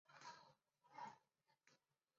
田牟是唐代平州卢龙人。